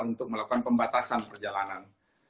untuk melakukan pembatasan perjalanan